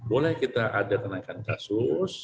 boleh kita ada kenaikan kasus